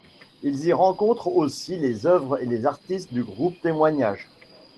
Ils y rencontrent aussi les œuvres et les artistes du groupe Témoignage.